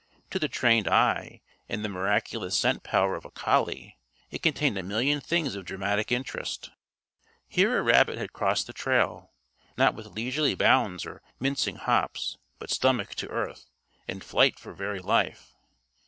To the trained eye and the miraculous scent power of a collie it contained a million things of dramatic interest. Here a rabbit had crossed the trail not with leisurely bounds or mincing hops, but stomach to earth, in flight for very life.